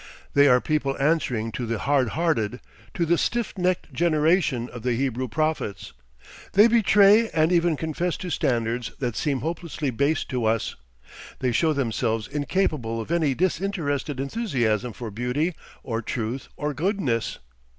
They are people answering to the "hard hearted," to the "stiff necked generation" of the Hebrew prophets. They betray and even confess to standards that seem hopelessly base to us. They show themselves incapable of any disinterested enthusiasm for beauty or truth or goodness.